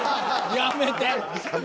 やめて。